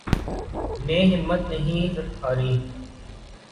نے ہمت نہیں ہاری